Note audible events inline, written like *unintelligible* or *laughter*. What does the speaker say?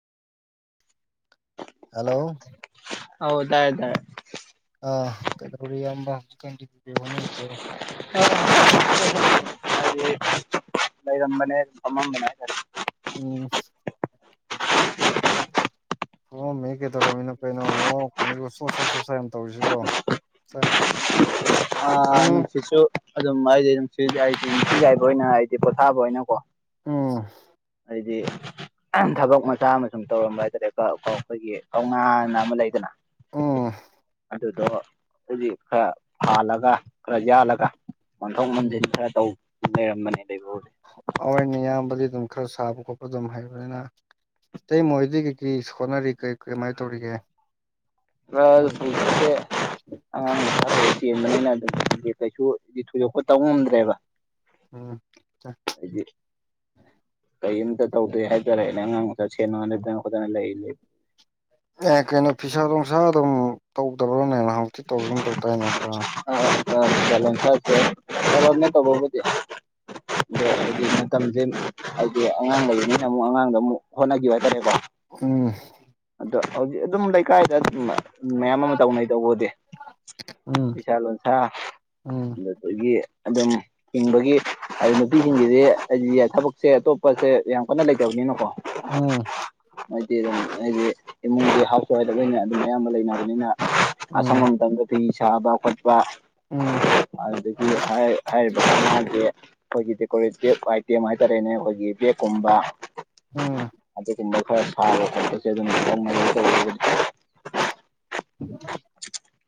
hello ꯑꯧ ꯗꯥꯌꯦ ꯗꯥꯌꯦ ꯑ ꯀꯩꯗꯧꯔꯤ ꯏꯌꯥꯝꯕ ꯍꯧꯖꯤꯛꯀꯥꯟꯖꯦ ꯀꯩ ꯍꯣꯠꯅꯔꯤꯒꯦ *unintelligible* ꯍꯥꯏꯗꯤ *unintelligible* ꯂꯩꯔꯝꯕꯅꯦ ꯁꯨꯝ ꯐꯝꯃꯝꯕꯅꯦ ꯍꯥꯏꯇꯔꯦ ꯎꯝ *unintelligible* ꯐꯝꯃꯝꯃꯤ ꯀꯩꯗꯧꯔꯝꯃꯤꯅꯣ ꯀꯩꯅꯣ ꯃꯋꯥ ꯃꯈꯣꯜꯖꯤꯕꯨ ꯁꯣꯁ ꯁꯣꯁ ꯌꯥꯝ ꯇꯧꯔꯤꯁꯤꯕꯣ ꯆꯥ *unintelligible* ꯎꯝ ꯑꯩꯗꯤ ꯊꯕꯛ ꯃꯆꯥ ꯑꯃ ꯁꯨꯝ ꯇꯧꯔꯝꯕ ꯍꯥꯏꯇꯥꯔꯦꯀꯣ ꯑꯩꯈꯣꯏꯒꯤ ꯀꯧꯅꯥꯅ ꯑꯃ ꯂꯩꯗꯅ ꯑꯣ ꯑꯗꯨꯗꯣ ꯍꯨꯖꯤꯛ ꯈꯔ ꯐꯥꯜꯂꯒ ꯈꯔ ꯌꯥꯜꯂꯒ ꯃꯟꯊꯣꯛ ꯎꯝ ꯃꯟꯖꯤꯟ ꯈꯔ ꯇꯧ ꯂꯩꯔꯝꯕꯅꯦ ꯂꯩꯕꯕꯨꯗꯤ ꯍꯣ ꯑꯣꯏꯅꯦ ꯏꯌꯥꯝꯕꯗꯤ ꯑꯗꯨꯝ ꯈꯔ ꯁꯥꯕ ꯈꯣꯠꯄ ꯑꯗꯨꯝ ꯍꯩꯕꯅꯤꯅ ꯏꯇꯩꯃ ꯍꯣꯏꯗꯤ ꯀꯩꯀꯩ ꯍꯣꯠꯅꯔꯤ ꯀ꯭ꯔꯤ ꯀꯃꯥꯏ ꯇꯧꯔꯤꯒꯦ ꯃꯣꯏ *unintelligible* ꯑꯉꯥꯡ ꯃꯆꯥ ꯂꯩ ꯆꯦꯟꯕꯅꯤꯅ ꯑꯗꯨꯝ ꯀꯩꯁꯨꯗꯤ ꯊꯣꯏꯗꯣꯛꯄ ꯇꯧ ꯉꯝꯗ꯭ꯔꯦꯕ ꯑꯝ ꯆꯥꯏ *inaudible* ꯀꯔꯤꯝꯇ ꯇꯧꯗꯦ ꯍꯥꯏꯇꯥꯔꯦꯅꯦ ꯑꯉꯥꯡ ꯃꯆꯥ ꯁꯦꯅ ꯈꯣꯠꯇꯅ ꯂꯩꯔꯤ ꯑꯦ ꯀꯩꯅꯣ ꯐꯤꯁꯥ ꯅꯨꯡꯁꯥ ꯑꯗꯨꯝ ꯇꯧꯗꯕ꯭ꯔꯥꯅꯦ ꯅꯍꯟꯃꯨꯛꯇꯤ ꯇꯧꯈꯤꯒꯨꯝ ꯇꯧ ꯇꯥꯏꯅꯦ ꯈꯔ *unintelligible* ꯑꯗꯣ ꯍꯥꯏꯗꯤ ꯃꯇꯝꯖꯦ ꯍꯥꯏꯗꯤ ꯑꯉꯥꯡ ꯂꯩꯕꯅꯤꯅ ꯑꯃꯨꯛ ꯑꯉꯥꯡꯗ ꯑꯃꯨꯛ ꯍꯣꯠꯅꯒꯤꯕ ꯍꯥꯏꯇꯥꯔꯦꯀꯣ ꯎꯝ ꯑꯗꯣ ꯍꯧꯖꯤꯛ ꯑꯗꯨꯝ ꯂꯩꯀꯥꯏꯗ ꯃꯗꯨꯝ ꯃꯌꯥꯝ ꯑꯃ ꯇꯧꯅꯩ ꯇꯧꯕꯨꯗꯤ ꯎꯝ ꯐꯁꯥ ꯂꯣꯟꯁꯥ ꯎꯝ ꯑꯗꯨꯗꯒꯤ ꯑꯗꯨꯝ ꯍꯤꯡꯕꯒꯤ ꯍꯥꯏ ꯅꯨꯄꯤꯁꯤꯡꯒꯤꯗꯤ ꯍꯥꯏꯗꯤ ꯊꯕꯛꯁꯦ ꯑꯇꯣꯞꯄꯁꯦ ꯌꯥꯝ ꯀꯟꯅ ꯂꯩꯇꯕꯅꯤꯅꯀꯣ ꯑꯣ ꯍꯥꯏꯗꯤ ꯑꯗꯨꯝ ꯍꯩꯗꯤ ꯏꯃꯨꯡꯒꯤ ꯍꯥꯎꯁ ꯋꯥꯏꯐꯇ ꯑꯣꯅ ꯑꯗꯨꯝ ꯑꯌꯥꯝꯕ ꯂꯩꯅꯕꯅꯤꯅ ꯎꯝ ꯁꯪꯕ ꯃꯇꯝꯗ ꯐꯤ ꯁꯥꯕ ꯈꯣꯠꯄ ꯎꯝ ꯑꯗꯨꯗꯒꯤ ꯑꯩ ꯍꯥꯏꯔꯤꯕ ꯀꯧꯅꯒꯤ ꯑꯩꯈꯣꯏꯒꯤ ꯗꯦꯀꯣꯔꯦꯇꯤꯞ ꯑꯥꯏꯇꯦꯝ ꯍꯥꯏꯇꯥꯔꯦꯅꯦ ꯑꯩꯈꯣꯏꯒꯤ ꯕꯦꯛꯀꯨꯝꯕ ꯎꯝ *unintelligible* *unintelligible*